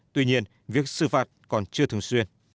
tuy nhiên việc xử phạt còn chưa thường xuyên